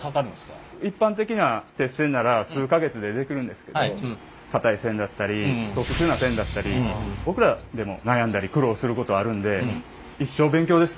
一般的な鉄線なら数か月でできるんですけど硬い線だったり特殊な線だったり僕らでも悩んだり苦労することあるんで一生勉強ですね。